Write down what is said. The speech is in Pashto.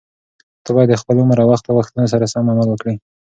ته باید د خپل عمر او وخت د غوښتنو سره سم عمل وکړې.